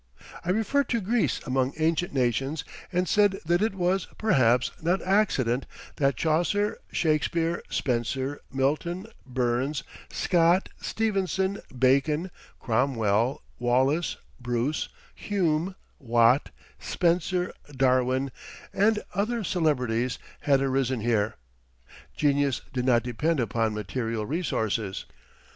I referred to Greece among ancient nations and said that it was, perhaps, not accident that Chaucer, Shakespeare, Spenser, Milton, Burns, Scott, Stevenson, Bacon, Cromwell, Wallace, Bruce, Hume, Watt, Spencer, Darwin, and other celebrities had arisen here. Genius did not depend upon material resources.